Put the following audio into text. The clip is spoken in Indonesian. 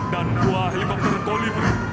dan dua helikopter kolibri